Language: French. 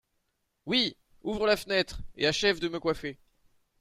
Oui… ouvre la fenêtre… et achève de me coiffer.